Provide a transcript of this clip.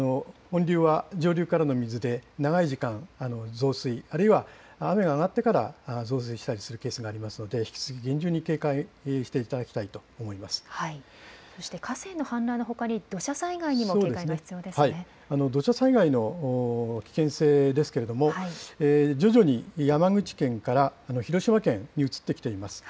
本流は上流からの水で長い時間増水、あるいは雨が上がってから増水したりするケースがありますので、引き続き厳重に警戒していたそして河川の氾濫のほかに土土砂災害の危険性ですけれども、徐々に山口県から広島県に移ってきています。